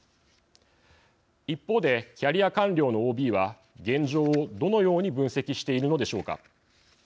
一方で、キャリア官僚のＯＢは現状をどのように分析しているのでしょうか。